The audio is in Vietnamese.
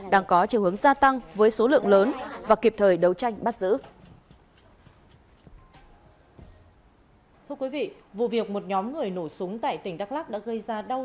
đang có chiều hướng gia tăng với số lượng lớn và kịp thời đấu tranh bắt giữ